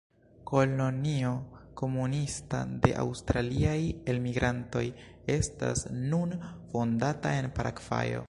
Kolonio komunista de Aŭstraliaj elmigrantoj estas nun fondata en Paragvajo.